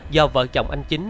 do vợ chồng anh chính